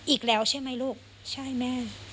อีกแล้วใช่ไหมลูกใช่แม่